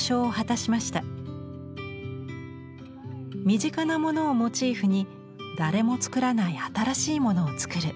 身近なものをモチーフに誰も作らない新しいものを作る。